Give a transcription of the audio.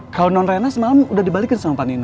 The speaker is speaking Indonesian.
kalau non rena semalam udah dibalikin sama pak nina